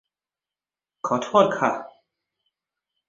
ขอโทษคะ